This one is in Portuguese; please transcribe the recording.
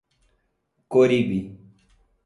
Coribe